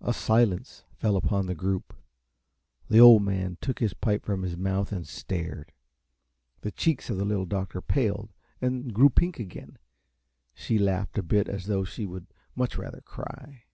A silence fell upon the group. The Old Man took his pipe from his mouth and stared. The cheeks of the Little Doctor paled and grew pink again. She laughed a bit, as though she would much rather cry.